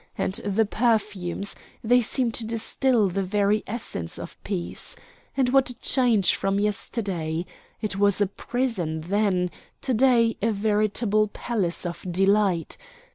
And the perfumes! They seem to distil the very essence of peace. And what a change from yesterday. It was a prison then to day a veritable palace of delight.